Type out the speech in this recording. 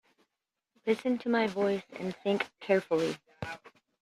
Listen to my voice and think carefully.